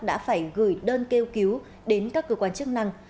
đã phải gửi đơn kêu cứu đến các cơ quan chức năng